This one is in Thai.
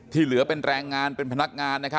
เหลือเป็นแรงงานเป็นพนักงาน